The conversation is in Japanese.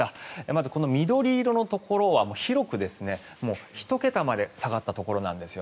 まず、この緑色のところは広く１桁まで下がったところなんです。